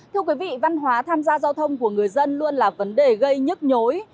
thưa quý vị văn hóa tham gia giao thông của người dân luôn là vấn đề gây nhức nhối